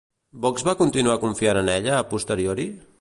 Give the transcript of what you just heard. Vox va continuar confiant en ella a posteriori?